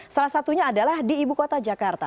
salah satunya adalah di ibu kota jakarta